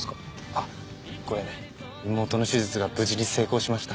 あっこれね妹の手術が無事に成功しました。